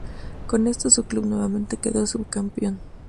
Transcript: Con esto su club nuevamente quedó subcampeón.